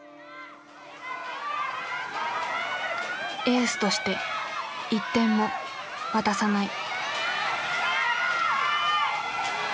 「エースとして１点も渡さない」。